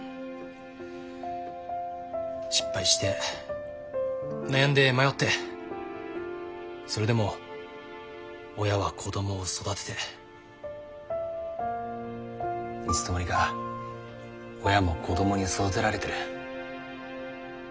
失敗して悩んで迷ってそれでも親は子どもを育てていつの間にか親も子どもに育てられてる。